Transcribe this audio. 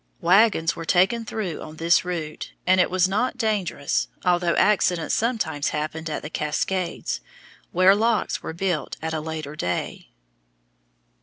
Wagons were taken through on this route, and it was not dangerous, although accidents sometimes happened at the Cascades, where locks were built at a later day.